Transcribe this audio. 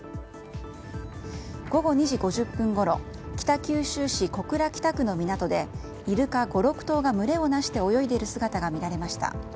午後２時５０分ごろ北九州市小倉北区の港でイルカ５６頭が群れをなして泳いでいる姿が見られました。